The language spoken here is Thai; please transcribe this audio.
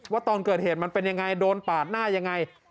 ตอนเกิดเหตุมันเป็นยังไงโดนปาดหน้ายังไง